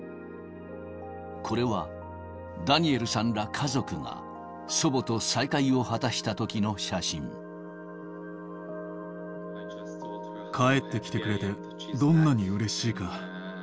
これは、ダニエルさんら家族が、帰ってきてくれて、どんなにうれしいか。